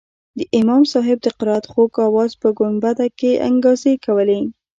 د امام صاحب د قرائت خوږ اواز په ګنبده کښې انګازې کولې.